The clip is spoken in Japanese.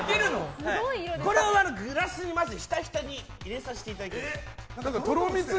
これをグラスにひたひたに入れさせていただきます。